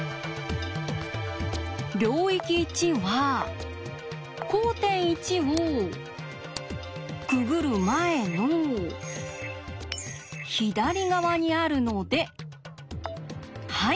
領域１は交点１をくぐる前の左側にあるのではい